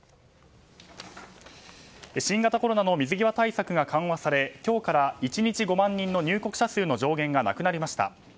新型コロナの水際対策が緩和され今日から１日５万人の入国者数の上限がなくなりました。